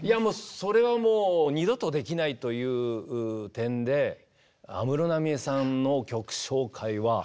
それはもう二度とできないという点で安室奈美恵さんの曲紹介は。